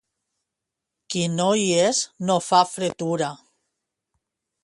Qui no hi és no fa fretura.